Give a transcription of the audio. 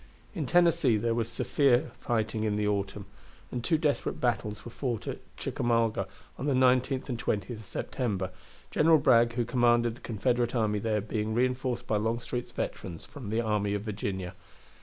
In Tennessee there was severe fighting in the autumn, and two desperate battles were fought at Chickamauga on the 19th and 20th of September, General Bragg, who commanded the Confederate army there, being reinforced by Longstreet's veterans from the army of Virginia.